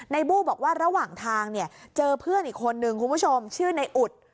บู้บอกว่าระหว่างทางเนี่ยเจอเพื่อนอีกคนนึงคุณผู้ชมชื่อในอุด